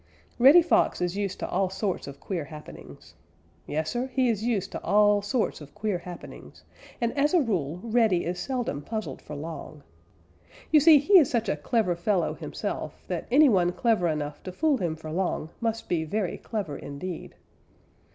_ Reddy Fox is used to all sorts of queer happenings. Yes, Sir, he is used to all sorts of queer happenings, and as a rule Reddy is seldom puzzled for long. You see he is such a clever fellow himself that any one clever enough to fool him for long must be very clever indeed.